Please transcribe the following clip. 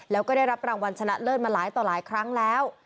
แล้วก็ได้รับรางวัลชนะเลิศมาหลายต่อหลายครั้งแล้ว